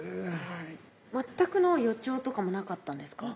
はい全くの予兆とかもなかったんですか？